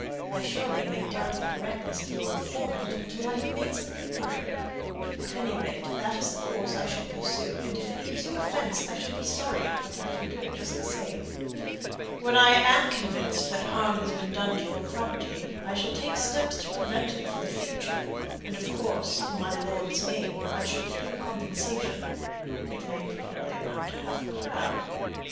I, surely, may doubt the correctness of your information until I have made some inquiry; at any rate, that is the course I shall pursue, and if it gives you offence, I shall be sorry, but I shall do it just the same. When I am convinced that harm has been done to your property, I shall take steps to prevent it for the future, and of course, in my lord's name, I shall pay you compensation it may probably amount to half a crown."